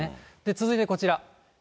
続いてこちら。